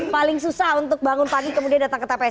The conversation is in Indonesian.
paling susah untuk bangun pagi kemudian datang ke tps